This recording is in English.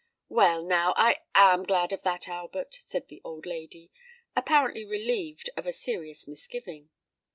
"Well, now—I am glad of that, Albert," said the old lady, apparently relieved of a serious misgiving.